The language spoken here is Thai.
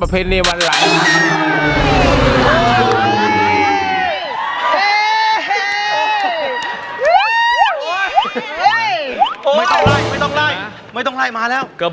ประเพณีวันไร่ค่ะ